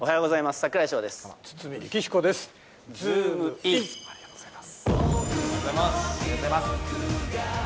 ありがとうございます。